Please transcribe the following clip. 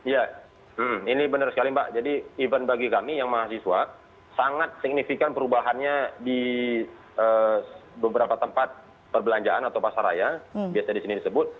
ya ini benar sekali mbak jadi event bagi kami yang mahasiswa sangat signifikan perubahannya di beberapa tempat perbelanjaan atau pasar raya biasanya disini disebut